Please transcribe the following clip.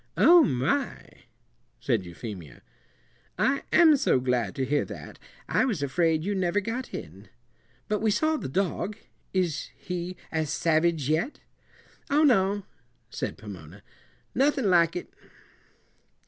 "Oh, my!" said Euphemia, "I am so glad to hear that. I was afraid you never got in. But we saw the dog is he as savage yet?" "Oh, no!" said Pomona; "nothin' like it."